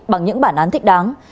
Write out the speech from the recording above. bằng những bản án thích đáng